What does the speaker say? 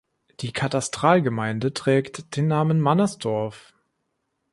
Die Katastralgemeinde trägt den Namen "Mannersdorf".